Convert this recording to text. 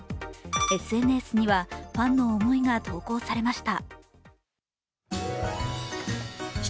ＳＮＳにはファンの思いが投稿されました。